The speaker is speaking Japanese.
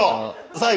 最後！